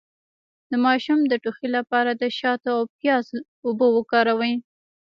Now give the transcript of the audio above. د ماشوم د ټوخي لپاره د شاتو او پیاز اوبه وکاروئ